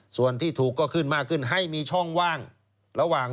ส่วนที่ถูกก็ขึ้นมากขึ้นให้มีช่องว่างระหว่าง